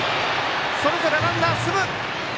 それぞれランナー、進む！